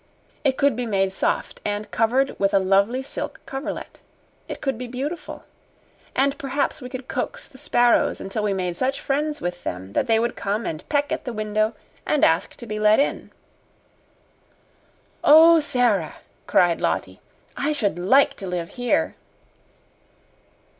It could be made soft and covered with a lovely silk coverlet. It could be beautiful. And perhaps we could coax the sparrows until we made such friends with them that they would come and peck at the window and ask to be let in." "Oh, Sara!" cried Lottie. "I should like to live here!"